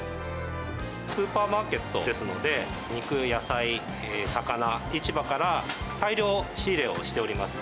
スーパーマーケットですので、肉、野菜、魚、市場から大量仕入れをしております。